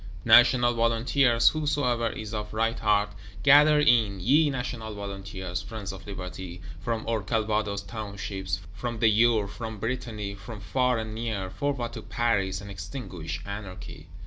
National Volunteers, whosoever is of right heart: gather in, ye National Volunteers, friends of Liberty; from our Calvados Townships, from the Eure, from Brittany, from far and near: forward to Paris, and extinguish Anarchy!